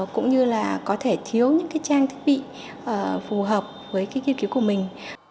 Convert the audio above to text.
cũng như là có thể thiếu những cái trang thiết bị phù hợp với cái nghiên cứu của mình